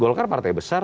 golkar partai besar